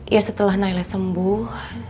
ya setelah nailah sembuh